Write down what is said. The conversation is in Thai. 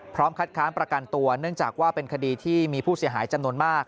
เป็นคดีที่มีผู้เสียหายจำนวนมาก